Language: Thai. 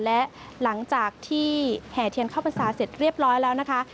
และหลังจากที่แห่เทียนเข้าพรรษาเสร็จเรียบร้อยแล้วนะคะ